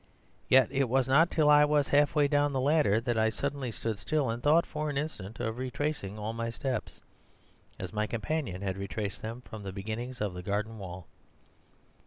Yet it was not till I was half way down the ladder that I suddenly stood still, and thought for an instant of retracing all my steps, as my companion had retraced them from the beginning of the garden wall.